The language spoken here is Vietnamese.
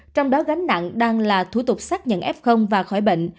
trong đó gánh nặng đang là thủ tục xác nhận f và khỏi bệnh